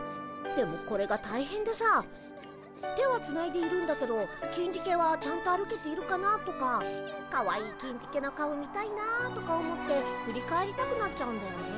でもこれが大変でさ手はつないでいるんだけどキンディケはちゃんと歩けているかな？とかかわいいキンディケの顔見たいなとか思って振り返りたくなっちゃうんだよね。